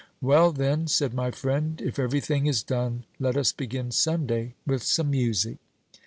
"Well, then," said my friend, "if every thing is done, let us begin Sunday with some music."